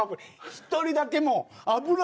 １人だけもう。